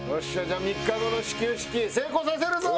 じゃあ３日後の始球式成功させるぞ！